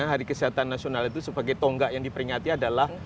hari kesehatan nasional itu sebagai tonggak yang diperingati adalah